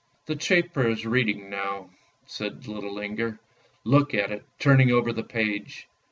" The chafer is reading now," said little Inger; " look at it turning over the page!